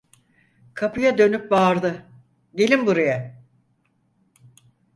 Kapıya dönüp bağırdı: 'Gelin buraya!